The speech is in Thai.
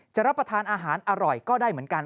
รับประทานอาหารอร่อยก็ได้เหมือนกัน